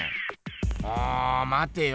おまてよ。